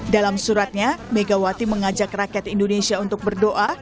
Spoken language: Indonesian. dalam suratnya megawati mengajak rakyat indonesia untuk berdoa